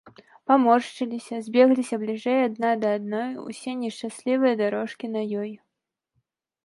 Паморшчыліся, збегліся бліжэй адна да адной усе нешчаслівыя дарожкі на ёй.